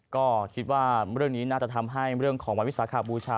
ก็คิดว่าเรื่องนี้น่าจะทำให้เรื่องของวันวิสาขบูชา